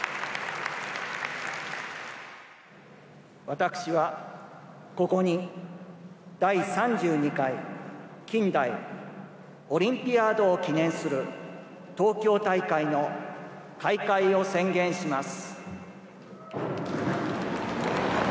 私はここに第３２回近代オリンピアードを記念する東京大会の開会を宣言します。